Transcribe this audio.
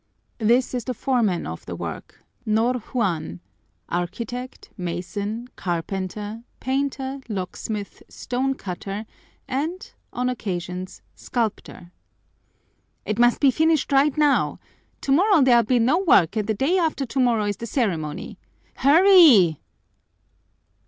This is the foreman of the work, Ñor Juan, architect, mason, carpenter, painter, locksmith, stonecutter, and, on occasions, sculptor. "It must be finished right now! Tomorrow there'll be no work and the day after tomorrow is the ceremony. Hurry!"